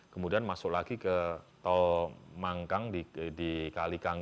kemudian masuk lagi ke tol mangkang di kalikang